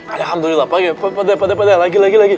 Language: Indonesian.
alhamdulillah pakde pakde pakde lagi lagi lagi